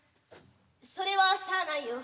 それはしゃあないよ。